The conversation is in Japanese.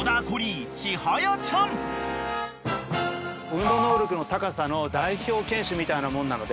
運動能力の高さの代表犬種みたいなもんなので。